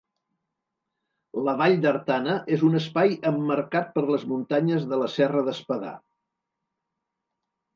La Vall d'Artana és un espai emmarcat per les muntanyes de la Serra d'Espadà.